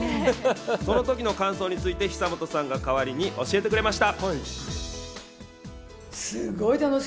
その時の感想について久本さんが代わりに教えてくれました。